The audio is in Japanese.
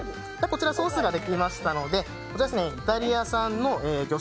こちらソースができましたのでイタリア産の魚醤